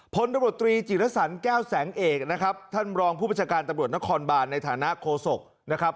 พลตำรวจตรีจิรสันแก้วแสงเอกนะครับท่านรองผู้ประชาการตำรวจนครบานในฐานะโคศกนะครับ